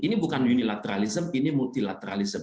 ini bukan unilateralism ini multilateralism